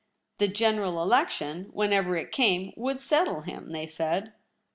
The General Election, whenever it came, would settle him, they said.